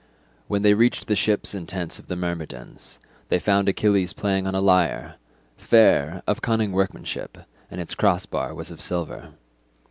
When they reached the ships and tents of the Myrmidons, they found Achilles playing on a lyre, fair, of cunning workmanship, and its cross bar was of silver.